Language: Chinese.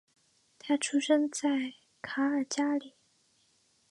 他出生在卡尔加里。